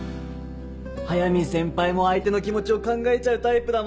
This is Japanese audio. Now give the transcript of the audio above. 速見先輩も相手の気持ちを考えちゃうタイプだもんな。